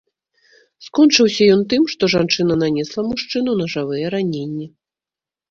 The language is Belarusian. Скончыўся ён тым, што жанчына нанесла мужчыну нажавыя раненні.